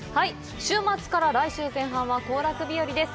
週末から来週前半は行楽日和です。